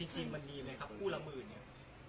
จริงมันมีไหมครับคู่ละหมื่นเนี่ย